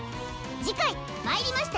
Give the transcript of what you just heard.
次回「魔入りました！